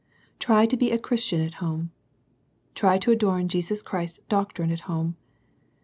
Try to be a Christian at home. Try to adorn Jesus Christ's doctrine at home.